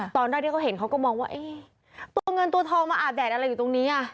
ตอนแรกที่เขาเห็นเขาก็มองว่าเอ๊ะตัวเงินตัวทองมาอาบแดดอะไรอยู่ตรงนี้อ่ะ